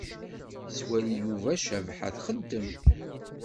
Yettwali Yuba Cabḥa txeddem.